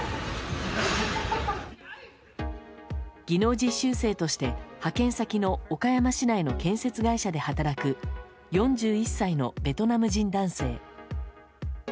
技能実習生として派遣先の岡山市内の建設会社で働く４１歳のベトナム人男性。